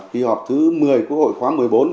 kỳ họp thứ một mươi quốc hội khóa một mươi bốn